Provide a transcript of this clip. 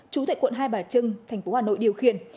chú thệ quận hai bạch trưng tp hà nội điều khiển